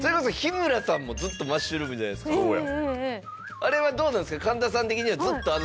あれはどうなんですか？